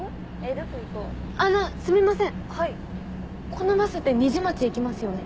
このバスって虹町行きますよね？